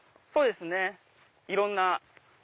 そうですねいろんな。